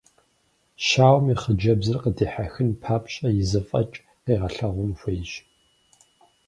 Щауэм и хъыджэбзыр къыдихьэхын папщӏэ и зэфӏэкӏ къигъэлъэгъуэн хуейщ.